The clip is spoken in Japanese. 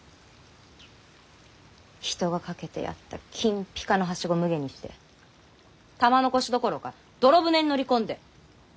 人が掛けてやった金ぴかのはしごむげにして玉のこしどころか泥船に乗り込んで。